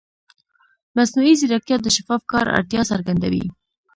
مصنوعي ځیرکتیا د شفاف کار اړتیا څرګندوي.